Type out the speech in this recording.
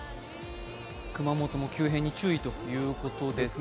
熊本も急変に注意ということですが。